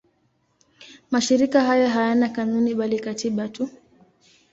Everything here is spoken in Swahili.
Mashirika hayo hayana kanuni bali katiba tu.